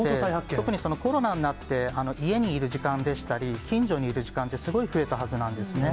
特にそのコロナになって、家にいる時間でしたり、近所にいる時間ってすごい増えたはずなんですね。